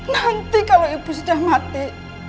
nanti kalau ibu sudah mati